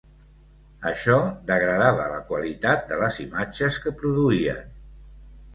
Això degradava la qualitat de les imatges que produïen.